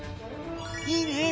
いいね！